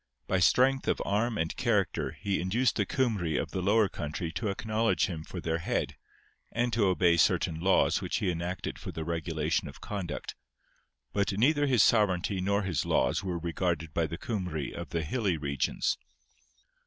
By strength of arm and character he induced the Cymry of the lower country to acknowledge him for their head, and to obey certain laws which he enacted for the regulation of conduct. But neither his sovereignty nor his laws were regarded by the Cymry of the hilly regions.